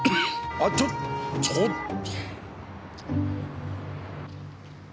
あっちょちょっと。